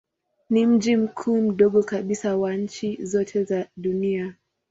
Ni mji mkuu mdogo kabisa wa nchi zote za dunia.